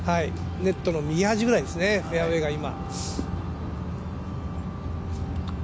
ネットの右端ぐらいですね、フェアウエーが今。